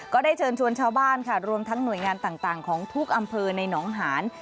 ก็ได้เชิญชวนชาวบ้านค่ะรวมทั้งหน่วยงานต่างของทุกอำเภอในหนองหาน